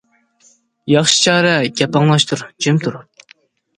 ياخشى چارە گەپ ئاڭلاشتۇر جىم تۇرۇپ.